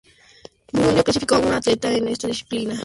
Burundi clasificó a una atleta en esta disciplina.